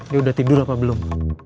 dia udah tidur apa belum